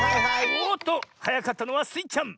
おっとはやかったのはスイちゃん！